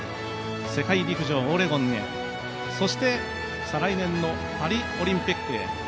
世界陸上オレゴンへそして、再来年のパリオリンピックへ。